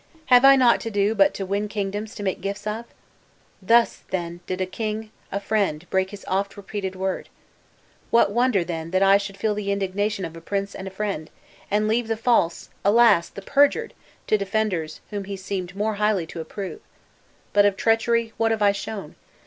'Have I naught to do but to win kingdoms to make gifts of?' Thus, then, did a king, a friend, break his often repreated word! What wonder, then, that I should feel the indignation of a prince and a friend; and leave the false, alas! the perjured, to defenders whom he seemed more highly to approve? But of treachery, what have I shown?